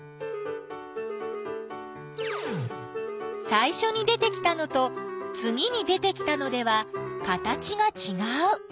さいしょに出てきたのとつぎに出てきたのでは形がちがう。